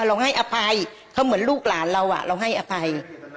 เราให้อภัยเขาเหมือนลูกหลานเราเราให้อภัย